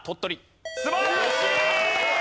素晴らしい！